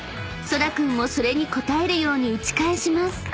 そら君もそれに応えるように打ち返します］